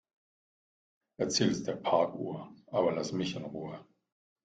Erzähl es der Parkuhr, aber lass mich in Ruhe.